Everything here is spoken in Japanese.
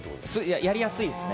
やりやすいですね。